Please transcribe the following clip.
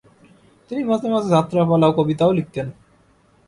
তিনি মাঝেমাঝে যাত্রাপালা এবং কবিতাও লিখতেন।